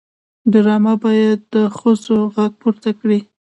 ډرامه باید د ښځو غږ پورته کړي